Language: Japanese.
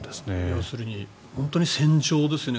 要するに本当に戦場ですね。